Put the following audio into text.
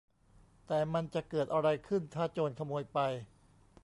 แต่มันจะเกิดอะไรขึ้นถ้าโจรขโมยไป